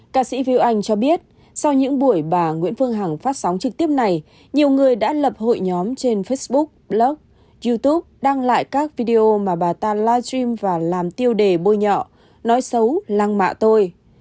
ca sĩ viu anh cho biết sau những buổi bà nguyễn phương hằng phát sóng trực tiếp này nhiều người đã lập hội nhóm trên facebook blog youtube đăng lại các video mà bà ta livestream và làm tiêu đề bôi nhọ nói xấu lăng mạ tôi